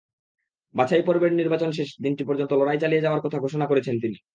বাছাইপর্বের নির্বাচনের শেষ দিনটি পর্যন্ত লড়াই চালিয়ে যাওয়ার কথা ঘোষণা করেছেন তিনি।